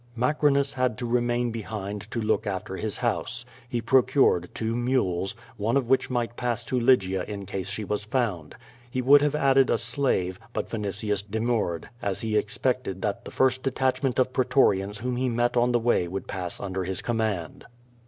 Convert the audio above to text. Macrinus had to remain behind to look after his house. He procured two mules, one of which might pass to Lygia in case she were found. He would have added a slave, but Vini tius demurred, as he expected that the first detachment of pretorians whom he met on the way would pass under his command.